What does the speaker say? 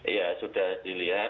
ya sudah dilihat